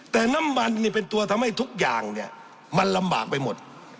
แต่น้ำมันนี่เป็นตัวทำให้ทุกอย่างเนี่ยมันลำบากไปหมด